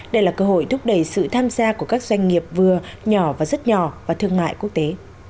đây là cơ hội thúc đẩy sự tham gia của các doanh nghiệp vừa nhỏ và rất nhỏ và thương mại quốc tế